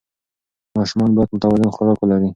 ماشومان باید متوازن خوراک ولري.